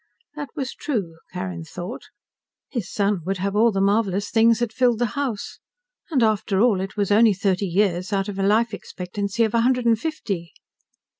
That was true, Carrin thought. His son would have all the marvelous things that filled the house. And after all, it was only thirty years out of a life expectancy of a hundred and fifty.